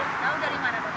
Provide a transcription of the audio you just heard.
tahu dari mana mbak